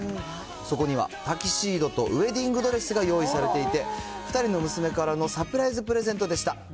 そこには、タキシードとウエディングドレスが用意されていて、２人の娘からのサプライズプレゼントでした。